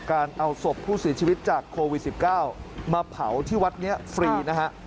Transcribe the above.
การเอาศพผู้เสียชีวิตจากโควิด๑๙มาเผาที่วัดนี้ฟรีนะฮะ